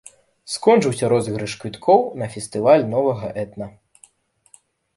Скончыўся розыгрыш квіткоў на фестываль новага этна.